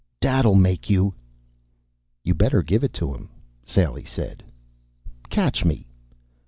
"Dad'll make you." "You better give it to him," Sally said. "Catch me."